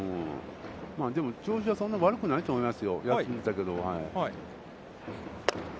でも、調子はそんなに悪くないと思いますよ。